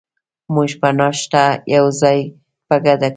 موږ به ناشته یوځای په ګډه کوو.